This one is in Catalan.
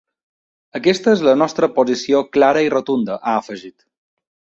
Aquesta és la nostra posició clara i rotunda, ha afegit.